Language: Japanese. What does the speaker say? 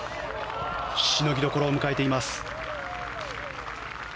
しのぎどころを迎えています。